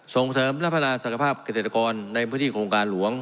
ส่งเสริมและพัฒนาศักยภาพเกษตรกรในพื้นที่โครงการหลวง